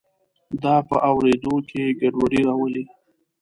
دا په اوریدو کې ګډوډي راولي.